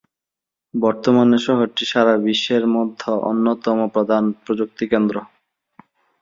বর্তমানে শহরটি সারা বিশ্বের মধ্য অন্যতম প্রধান প্রযুক্তিকেন্দ্র।